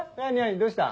どうした？